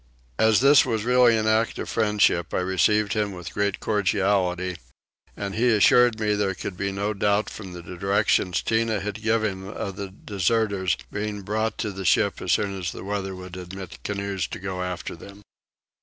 As this was really an act of friendship I received him with great cordiality; and he assured me that there could be no doubt from the directions Tinah had given of the deserters being brought to the ship as soon as the weather would admit canoes to go after them.